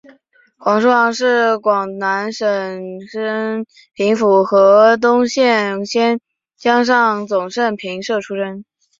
黄叔沆是广南省升平府河东县仙江上总盛平社出生。